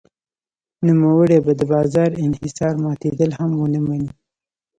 نوموړی به د بازار انحصار ماتېدل هم ونه مني.